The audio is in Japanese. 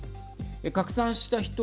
拡散した１人。